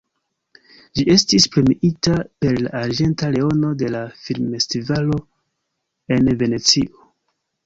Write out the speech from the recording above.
Ĝi estis premiita per la »Arĝenta Leono« de la filmfestivalo en Venecio.